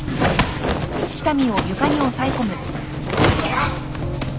あっ。